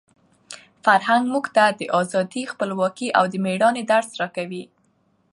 فرهنګ موږ ته د ازادۍ، خپلواکۍ او د مېړانې درس راکوي.